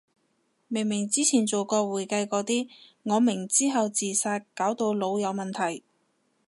明明之前做過會計個啲，我明之後自殺搞到腦有問題